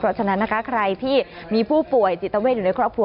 เพราะฉะนั้นนะคะใครที่มีผู้ป่วยจิตเวทอยู่ในครอบครัว